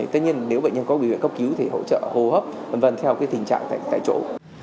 tất nhiên nếu bệnh nhân có bị việc cấp cứu thì hỗ trợ hô hấp v v theo tình trạng tại chỗ